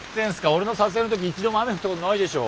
俺の撮影の時一度も雨降ったことないでしょ。